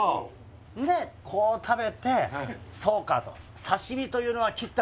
でこう食べて「そうか」と。